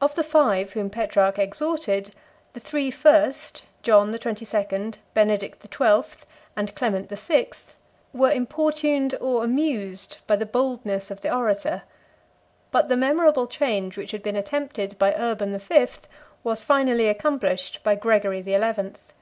Of the five whom Petrarch exhorted, the three first, John the Twenty second, Benedict the Twelfth, and Clement the Sixth, were importuned or amused by the boldness of the orator; but the memorable change which had been attempted by Urban the Fifth was finally accomplished by Gregory the Eleventh.